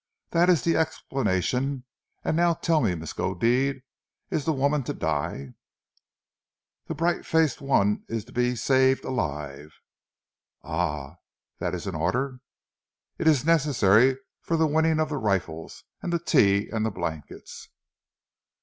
That is the explanation, and now tell me, Miskodeed, is the woman to die?" "The bright faced one is to be saved alive." "Ah! That is an order?" "It is necessary for the winning of the rifles, and the tea and the blankets."